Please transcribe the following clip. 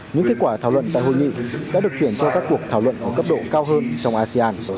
những kết quả thảo luận tại hội nghị đã được chuyển cho các cuộc thảo luận ở cấp độ cao hơn trong asean